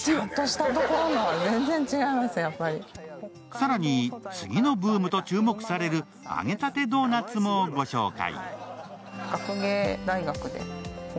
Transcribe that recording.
更に次のブームと注目される揚げたてドーナツもご紹介。